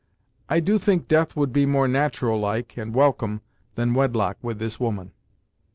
I do think death would be more nat'ral like, and welcome, than wedlock with this woman."